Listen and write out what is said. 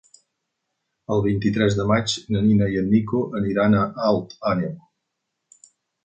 El vint-i-tres de maig na Nina i en Nico aniran a Alt Àneu.